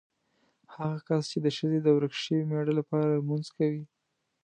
هغه کس چې د ښځې د ورک شوي مېړه لپاره لمونځ کوي.